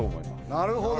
なるほど。